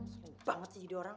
susah banget sih diorang